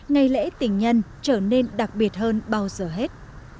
ngày lễ tình nhân trở nên đặc biệt hơn bao giờ hết